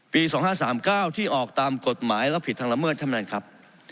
๒๕๓๙ที่ออกตามกฎหมายแล้วผิดทางละเมิดท่านประธานครับ